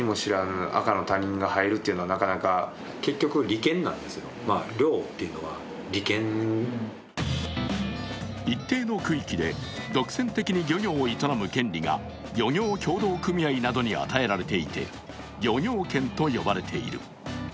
姫路で漁師をしている親子は一定の区域で独占的に漁業を営む権利が漁業協同組合などに与えられていて、漁業権と呼ばれている。